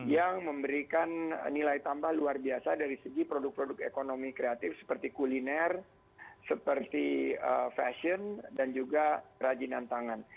yang memberikan nilai tambah luar biasa dari segi produk produk ekonomi kreatif seperti kuliner seperti fashion dan juga kerajinan tangan